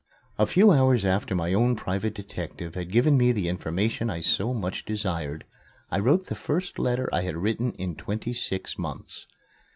A few hours after my own private detective had given me the information I so much desired, I wrote the first letter I had written in twenty six months.